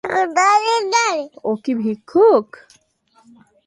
ও কি ভিক্ষুক?